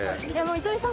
糸井さん